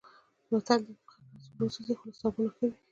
متل دی: غوښه که هرڅومره وسوځي، خو له سابو نه ښه وي.